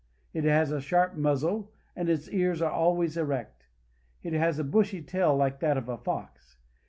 It has a sharp muzzle, and its ears are always erect. It has a bushy tail like that of a fox.